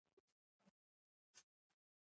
ژورې سرچینې د افغانستان د شنو سیمو ښکلا ده.